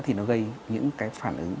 thì nó gây những cái phản ứng